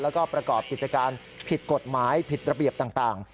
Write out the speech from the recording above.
แล้วก็ประกอบกิจการผิดกฎหมายผิดระเบียบต่าง